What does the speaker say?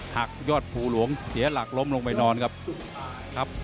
หักยอดภูหลวงเสียหลักล้มลงไปนอนครับครับ